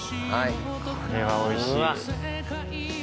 これは美味しい。